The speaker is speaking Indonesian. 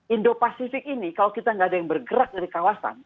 indo pasifik ini kalau kita nggak ada yang bergerak dari kawasan